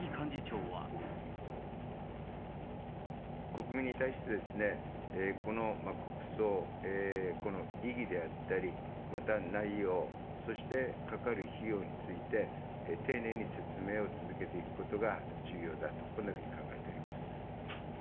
国民に対してですね、この国葬、この意義であったり、また内容、そしてかかる費用について、丁寧に説明を続けていくことが重要だと、こんなふうに考えております。